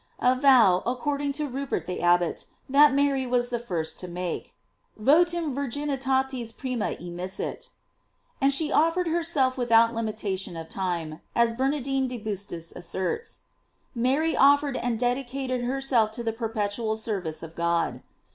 A vow, according to Rupert the Abbot, that Mary was the first to make; "Votum virginitatis prima emisit."f And she offered herself without limitation of time, as Bernardine de Bustis asserts: Mary offered and dedicated herself to the perpetual service of God.